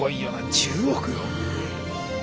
１０億よ。